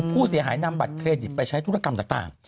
ผู้เสียหายนำบัตรเครดิตไปใช้ธุรกรรมต่าง